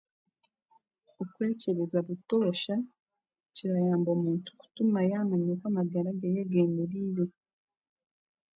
okwekyebeza butoosha kirayamba muntu kutuma yaamanya oku amagara geeye g'emereire